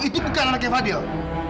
itu bukan anaknya fadil